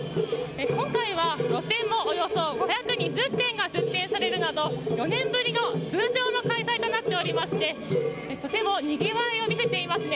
今回は、露店もおよそ５２０店が出店されるなど４年ぶりの通常の開催となっておりましてとてもにぎわいを見せていますね。